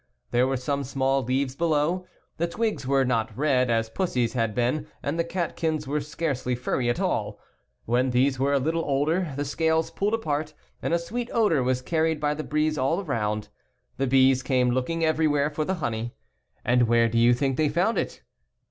There were some small leaves below; the twigs were not red as Pussy's had been and the catkins were scarcely furry at all (Fig. 3). When these were a little older the scales pulled apart, and a sweet odor was carried by the breeze all around. The bees came looking everywhere for the honey. And where do you think they found it?